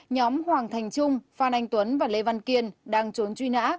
nhóm hoàng thành trung phan anh tuấn và lê văn kiên đang trốn trốn